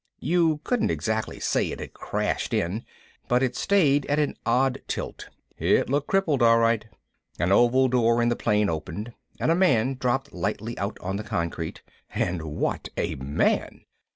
You couldn't exactly say it had crashed in, but it stayed at an odd tilt. It looked crippled all right. An oval door in the plane opened and a man dropped lightly out on the concrete. And what a man!